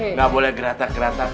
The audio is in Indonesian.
nggak boleh geratak geratak